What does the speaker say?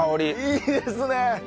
いいですね！